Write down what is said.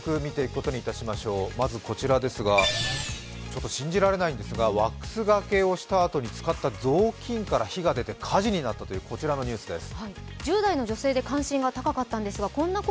まずこちらですがちょっと信じられないんですがワックスがけをした後に使った雑巾から火が出て火事になったというニュースです。